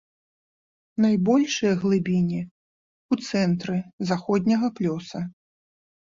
Найбольшыя глыбіні ў цэнтры заходняга плёса.